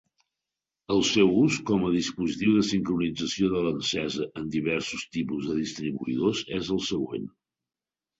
El seu ús com a dispositiu de sincronització de l'encesa en diversos tipus de distribuïdors és el següent.